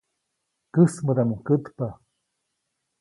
Käsmädaʼmuŋ kätpa.